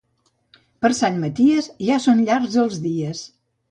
Per Sant Maties, ja són llargs els dies.